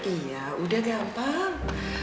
iya udah gampang